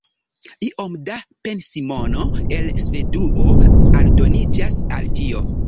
Iom da pensimono el Svedujo aldoniĝas al tio.